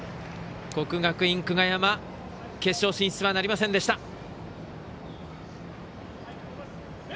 国学院久我山、決勝進出はなりませんでした。